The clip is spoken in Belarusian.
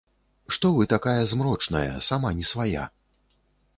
Што вы такая змрочная, сама не свая?